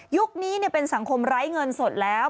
นี้เป็นสังคมไร้เงินสดแล้ว